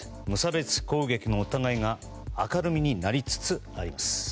無差別攻撃の疑いが明るみになりつつあります。